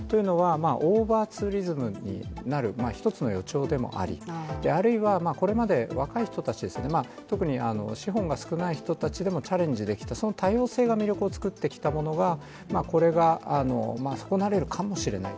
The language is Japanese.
オーバーツーリズムになる一つの予兆でもあり、あるいはこれまで若い人たち特に資本が少ない人たちでもチャレンジできたその多様性が魅力をつくってきたことがそれが損なわれる側面もあると。